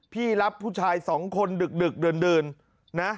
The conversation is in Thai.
พี่รับผู้ชายสองคนดึกเดิน